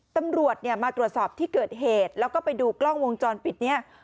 ตำรวจเนี่ยมาตรวจสอบที่เกิดเหตุแล้วก็ไปดูกล้องวงจรปิดเนี่ย